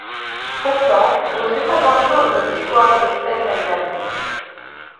Pourtant, on ne sait pas grand-chose de l'histoire de l'espèce elle-même.